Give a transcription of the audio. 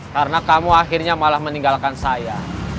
karena kamu akhirnya malah meninggalkan saya